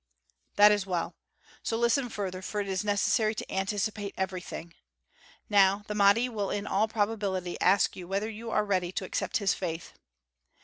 "That is well. So listen further, for it is necessary to anticipate everything. Now the Mahdi will in all probability ask you whether you are ready to accept his faith.